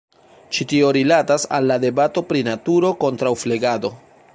Ĉi tio rilatas al la debato pri naturo kontraŭ flegado.